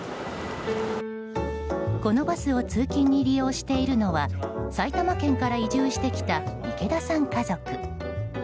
このバスを通勤に利用しているのは埼玉県から移住してきた池田さん家族。